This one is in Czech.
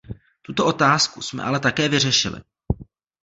Tuto otázku jsme ale také vyřešili.